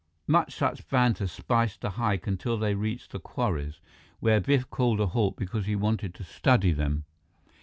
More such banter spiced the hike until they reached the quarries, where Biff called a halt because he wanted to study them.